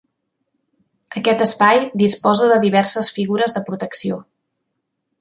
Aquest espai disposa de diverses figures de protecció.